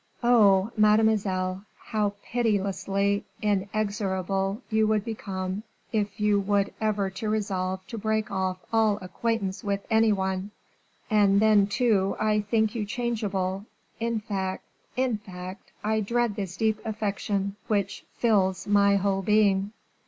Oh! mademoiselle, how pitilessly inexorable you would become if you were ever to resolve to break off all acquaintance with any one; and then, too, I think you changeable; in fact in fact, I dread this deep affection which fills my whole being."